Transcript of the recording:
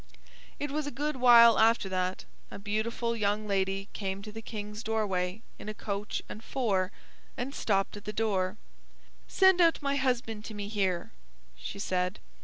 It was a good while after that, a beautiful young lady came to the King's doorway in a coach and four, and stopped at the door. "Send out my husband to me here," she said.